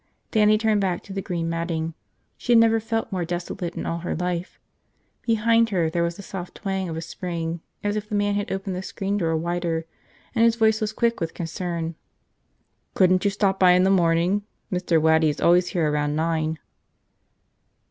Dannie turned back down to the green matting. She had never felt more desolate in all her life. Behind her there was the soft twang of a spring as if the man had opened the screen door wider, and his voice was quick with concern. "Couldn't you stop by in the morning? Mr. Waddy is always here around nine."